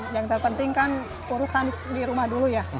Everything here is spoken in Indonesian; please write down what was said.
yang terpenting kan urusan di rumah dulu ya